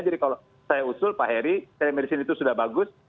jadi kalau saya usul pak heri telemedicine itu sudah bagus